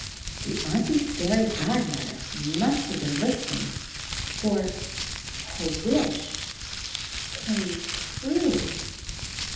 The Auntie's fairy god mother must have been listening — for her wish came true.